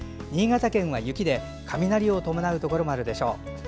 新潟県は雪で雷を伴うところもあるでしょう。